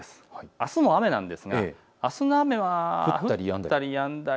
あすも雨なんですが、あすの雨は降ったりやんだり。